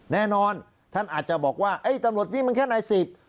แน่นอนท่านอาจจะบอกว่าไอ้ตำรวจนี่มันแค่นายสิบ